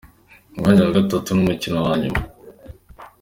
Umwanya wa gatatu n’umukino wa nyuma.